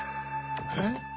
えっ？